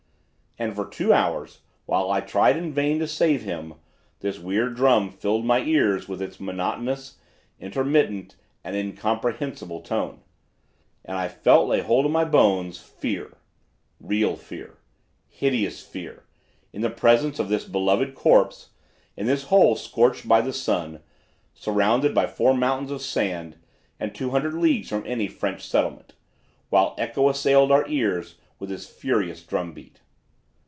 "And for two hours, while I tried in vain to save him, this weird drum filled my ears with its monotonous, intermittent and incomprehensible tone, and I felt lay hold of my bones fear, real fear, hideous fear, in the presence of this beloved corpse, in this hole scorched by the sun, surrounded by four mountains of sand, and two hundred leagues from any French settlement, while echo assailed our ears with this furious drum beat.